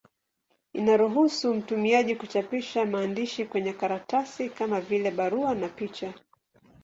Inaruhusu mtumiaji kuchapisha maandishi kwenye karatasi, kama vile barua na picha.